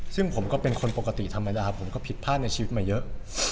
ซึ่งผมก็เป็นคนปกติธรรมดาผมก็ผิดพลาดในชีวิตมาเยอะ